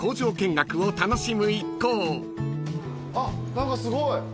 何かすごい。